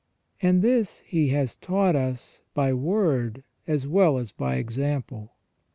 And this He has taught us by word as well as by example.